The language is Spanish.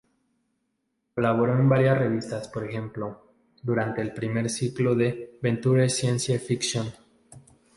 Colaboró en varias revistas, por ejemplo, durante el primer ciclo de "Venture Science Fiction".